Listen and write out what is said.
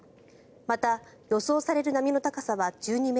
また、予想される波の高さは１２ｍ。